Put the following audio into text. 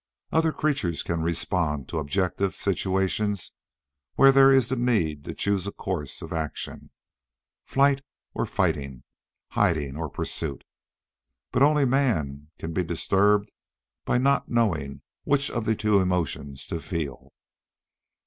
Other creatures can respond to objective situations where there is the need to choose a course of action: flight or fighting, hiding or pursuit. But only man can be disturbed by not knowing which of two emotions to feel.